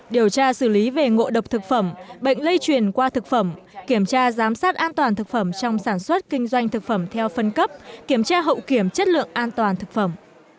điều tra xử lý về ngộ độc thực phẩm bệnh lây truyền qua thực phẩm kiểm tra giám sát an toàn thực phẩm trong sản xuất kinh doanh thực phẩm theo phân cấp kiểm tra hậu kiểm chất lượng an toàn thực phẩm